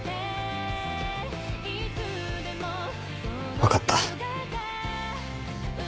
分かった。